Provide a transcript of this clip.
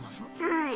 はい。